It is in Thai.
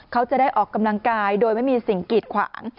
เขาจะได้ออกกำลังกายโดยไม่มีสิ่งกีดขวาง